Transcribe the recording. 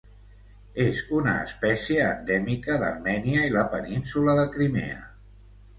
És una espècie endèmica d'Armènia i la Península de Crimea.